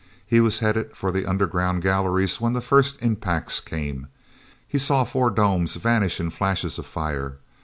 He was headed for the underground galleries when the first impacts came. He saw four domes vanish in flashes of fire.